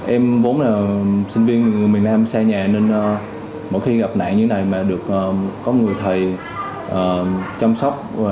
em vốn là sinh viên người miền nam xa nhà nên mỗi khi gặp nạn như thế này mà được chăm sóc